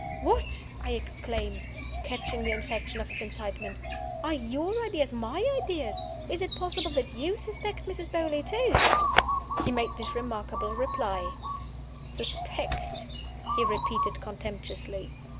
"What!" I exclaimed, catching the infection of his excitement. "Are your ideas my ideas? Is it possible that you suspect Mrs. Beauly too?" He made this remarkable reply: "Suspect?" he repeated, contemptuously.